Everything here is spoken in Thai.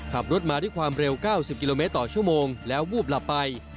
ขับรถมาด้วยความเร็ว๙๐กิโลเมตรต่อชั่วโมงแล้ววูบหลับไป